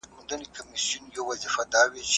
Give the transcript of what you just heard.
لوی مقامونه یوازي په لیاقت پوري نه سي تړل کېدلای.